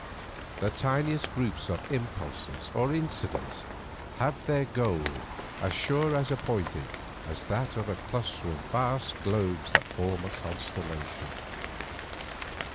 The tiniest groups of impulses or incidents have their goal as sure and as appointed as that of the cluster of vast globes which form a constellation.